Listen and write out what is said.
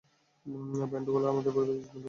ব্যান্ড-ওয়ালা হয়ে আমাদের পরিবারের ইজ্জত ডুবিয়েছিস।